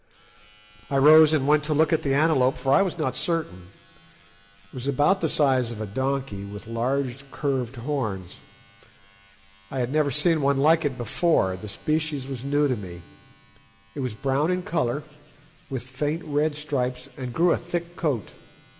I rose and went to look at the antelope, for I was not certain. It was about the size of a donkey, with large curved horns. I had never seen one like it before; the species was new to me. It was brown in colour, with faint red stripes, and grew a thick coat.